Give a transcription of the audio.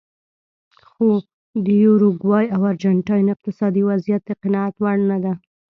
خو د یوروګوای او ارجنټاین اقتصادي وضعیت د قناعت وړ نه دی.